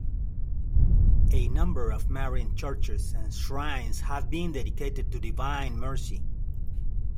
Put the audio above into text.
A number of Marian churches and shrines have been dedicated to Divine Mercy.